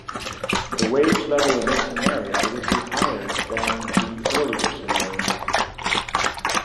The wage level in this scenario would be higher than the earlier scenario.